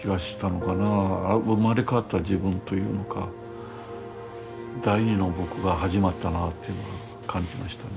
生まれ変わった自分というのか第二の僕が始まったなというのは感じましたね。